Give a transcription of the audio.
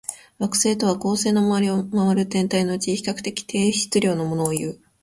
惑星とは、恒星の周りを回る天体のうち、比較的低質量のものをいう。